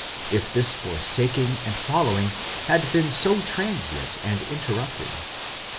if this forsak ing and following had been so transient and interrupted?